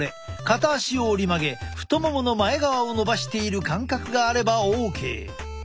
片足を折り曲げ太ももの前側をのばしている感覚があればＯＫ！